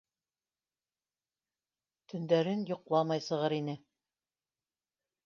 Төндәрен йоҡламай сығыр ине.